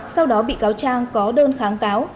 sau đó bị cáo trang có đơn kháng cáo